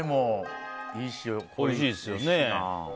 おいしいですよね。